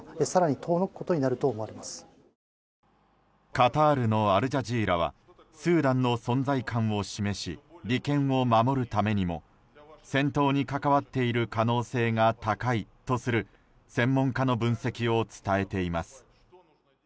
カタールのアルジャジーラはスーダンの存在感を示し利権を守るためにも戦闘に関わっている可能性が高いとする専門家の分析を伝えています。